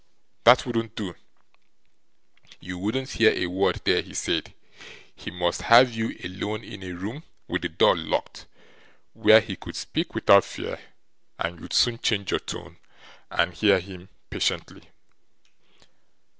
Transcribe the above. that wouldn't do. You wouldn't hear a word there, he said. He must have you alone in a room with the door locked, where he could speak without fear, and you'd soon change your tone, and hear him patiently.